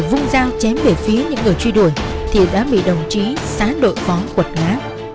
vung giao chém về phía những người truy đuổi thì đã bị đồng chí xá đội khó quật ngã